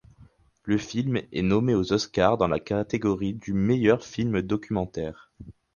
Le film est nommé aux Oscar dans la catégorie du meilleur film documentaire.